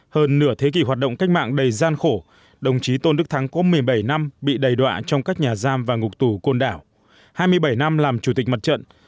hơn nửa thế kỷ hoạt động cách mạng đầy gian khổ đồng chí tôn đức thắng có một mươi bảy năm bị đầy đoạn trong các nhà giam và ngục tù côn đảo hai mươi bảy năm làm chủ tịch mặt trận